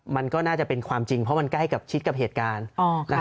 มันก็น่าจะเป็นความจริงเพราะมันใกล้กับชิดกับเหตุการณ์